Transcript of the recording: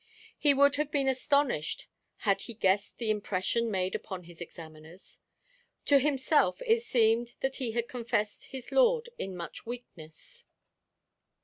He would have been astonished had he guessed the impression made upon his examiners. To himself it seemed that he had confessed his Lord in much weakness.